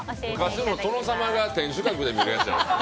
昔の殿様が天守閣で見たやつやん。